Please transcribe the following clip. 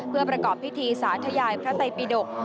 เพื่อประกอบพิธีสาธยายพระไตปิดก